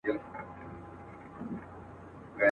اووم دوږخ دي ځای د کرونا سي..